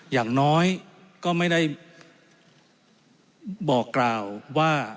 อย่างน้อยก็ไม่ได้บอกกล่าวว่า